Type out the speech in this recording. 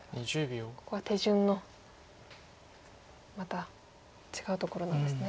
ここは手順のまた違うところなんですね。